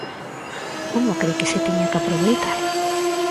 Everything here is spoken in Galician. Como cre que se tiña que aproveitar?